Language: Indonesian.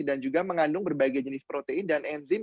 dan juga mengandung berbagai jenis protein dan enzim